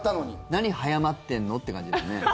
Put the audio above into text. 何早まってんの？って感じですね。